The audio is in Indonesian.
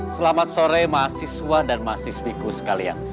selamat sore mahasiswa dan mahasiswiku sekalian